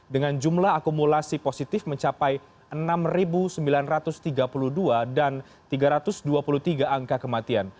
dengan jumlah akumulasi positif mencapai enam sembilan ratus tiga puluh dua dan tiga ratus dua puluh tiga angka kematian